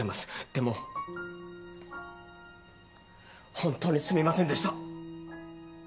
でも本当にすみませんでした。